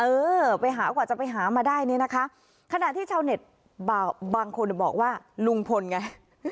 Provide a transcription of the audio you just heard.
เออไปหากว่าจะไปหามาได้เนี่ยนะคะขณะที่ชาวเน็ตบางคนบอกว่าลุงพลไง